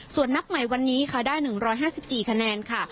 ส่วนนับใหม่วันนี้ค่ะได้๑๕๔คะแนนค่ะ